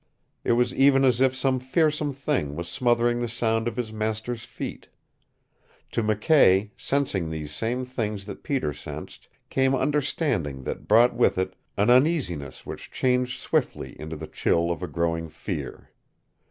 It was even as if some fearsome thing was smothering the sound of his master's feet. To McKay, sensing these same things that Peter sensed, came understanding that brought with it an uneasiness which changed swiftly into the chill of a growing fear.